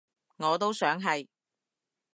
我都想係